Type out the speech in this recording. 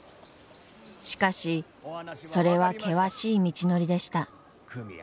しかしそれは険しい道のりでした。